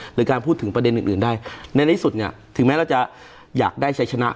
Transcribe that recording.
หรือการพูดถึงประเด็นอื่นได้